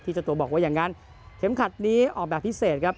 เจ้าตัวบอกว่าอย่างนั้นเข็มขัดนี้ออกแบบพิเศษครับ